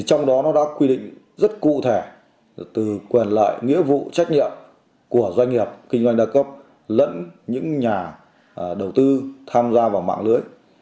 trong đó nó đã quy định rất cụ thể từ quyền lợi nghĩa vụ trách nhiệm của doanh nghiệp kinh doanh đa cấp lẫn những nhà đầu tư tham gia vào mạng lưới